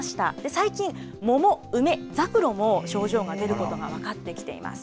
最近、桃、梅、ザクロも症状が出ることが分かってきています。